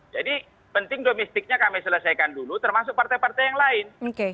jadi penting domestiknya kami selesaikan dulu termasuk partai partai yang lain